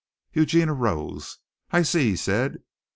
Eugene arose. "I see," he said.